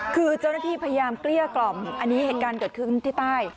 คือเจ้าหน้าที่พยายามเกลี้ยกล่อมอันนี้เหตุการณ์เกิดขึ้นที่ใต้